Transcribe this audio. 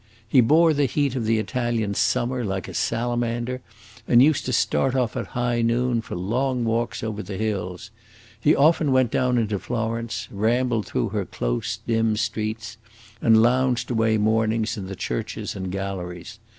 He bore the heat of the Italian summer like a salamander, and used to start off at high noon for long walks over the hills. He often went down into Florence, rambled through her close, dim streets, and lounged away mornings in the churches and galleries.